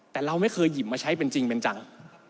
แต่เราไม่เคยหยิบมาใช้เป็นจริงเป็นจัง